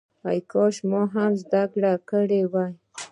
کاشکې ما هم زده کړه کړې وای.